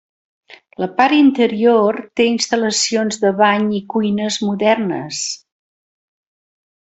La part interior té instal·lacions de bany i cuines modernes.